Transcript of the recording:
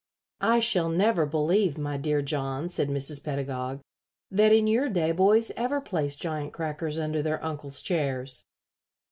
"I shall never believe, my dear John," said Mrs. Pedagog, "that in your day boys ever placed giant crackers under their uncles' chairs."